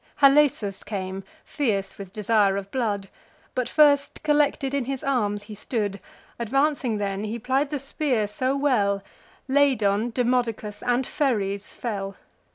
Halesus came, fierce with desire of blood; But first collected in his arms he stood: Advancing then, he plied the spear so well, Ladon, Demodocus, and Pheres fell.